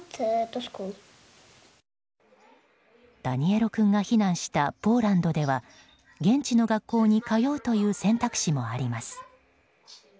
ダニエロ君が避難したポーランドでは現地の学校に通うという選択肢もあります。